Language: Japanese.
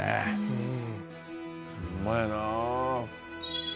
「うん」